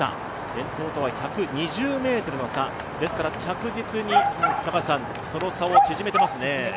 先頭とは１２０ｍの差ですから、着実にその差を縮めてますね。